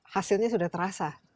hasilnya sudah terasa